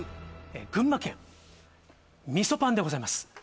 群馬県みそパンでございます